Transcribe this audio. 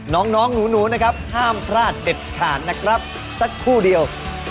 น้องหนูนะครับห้ามพลาดเด็ดขาดนะครับสักครู่เดียว